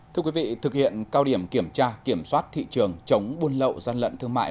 thưa quý vị thực hiện cao điểm kiểm tra kiểm soát thị trường chống buôn lậu gian lận thương mại